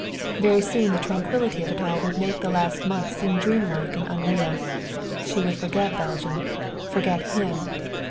Very soon the tranquillity of it all would make the last months seem dreamlike and unreal. She would forget Belgium, forget him.